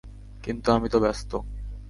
কিন্তু আমি তো ব্যস্ত!